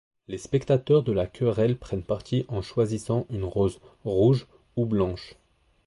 Les spectateurs de la querelle prennent parti en choisissant une rose rouge ou blanche.